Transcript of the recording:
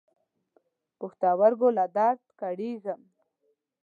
پښتورګو له درد کړېږم.